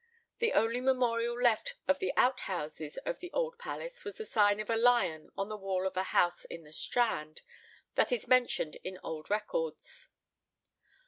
The only memorial left of the outhouses of the old palace was the sign of a lion in the wall of a house in the Strand, that is mentioned in old records.